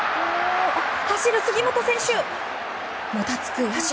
走る杉本選手、もたつく野手。